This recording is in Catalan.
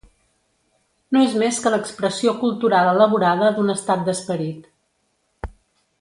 No és més que l'expressió cultural elaborada d'un estat d'esperit.